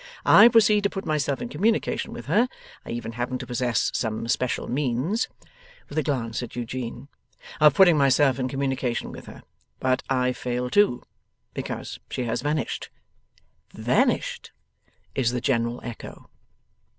I proceed to put myself in communication with her; I even happen to possess some special means,' with a glance at Eugene, 'of putting myself in communication with her; but I fail too, because she has vanished.' 'Vanished!' is the general echo.